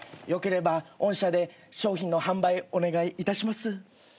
よければ御社で商品の販売お願いいたします。